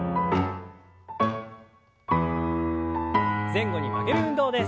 前後に曲げる運動です。